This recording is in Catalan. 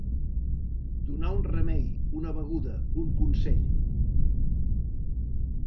Donar un remei, una beguda, un consell.